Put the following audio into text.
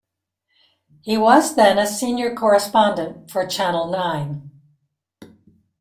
He was then a senior correspondent for Channel Nine.